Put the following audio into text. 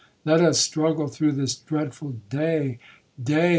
Let us struggle through this dreadful day.